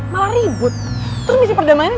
dia kesini buat membawa misi perdamaian